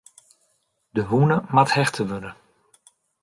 De wûne moat hechte wurde.